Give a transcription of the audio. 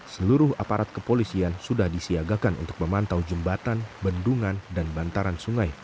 seluruh aparat kepolisian sudah disiagakan untuk memantau jembatan bendungan dan bantaran sungai